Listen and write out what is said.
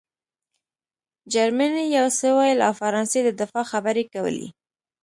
جرمني یو څه ویل او فرانسې د دفاع خبرې کولې